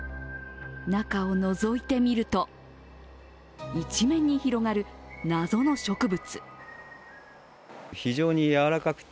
中をのぞいてみると一面に広がる謎の植物。